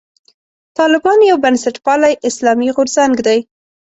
طالبان یو بنسټپالی اسلامي غورځنګ دی.